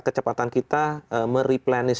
kecepatan kita mereplenish